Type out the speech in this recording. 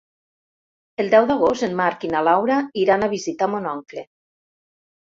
El deu d'agost en Marc i na Laura iran a visitar mon oncle.